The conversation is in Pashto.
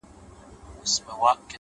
• دا دنيا به مالامال وي له بدلارو ,